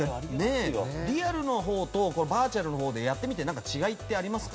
リアルの方とバーチャルの方でやってみてなんか違いってありますか？